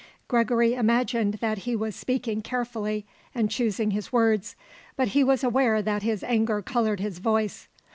Gregory imagined that he was speaking carefully and choosing his words, but he was aware that his anger coloured his voice.